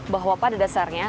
bahwa pada dasarnya